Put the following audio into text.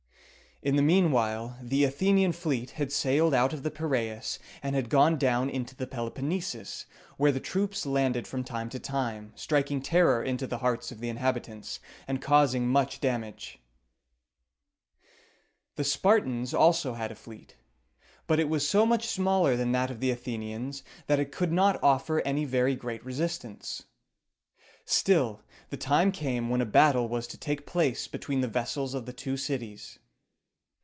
In the mean while the Athenian fleet had sailed out of the Piræus, and had gone down into the Peloponnesus, where the troops landed from time to time, striking terror into the hearts of the inhabitants, and causing much damage. The Spartans also had a fleet; but it was so much smaller than that of the Athenians, that it could not offer any very great resistance. Still the time came when a battle was to take place between the vessels of the two cities.